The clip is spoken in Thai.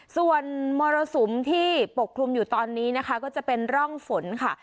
ส่วนมรสุมที่ปกคลุมอยู่ตอนนี้นะคะก็จะเป็นร่องฝนค่ะ